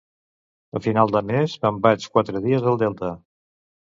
A final de mes me'n vaig quatre dies al Delta